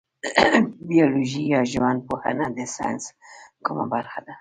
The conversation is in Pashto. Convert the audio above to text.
بیولوژي یا ژوند پوهنه د ساینس کومه برخه ده